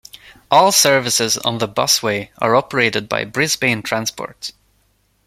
All services on the busway are operated by Brisbane Transport.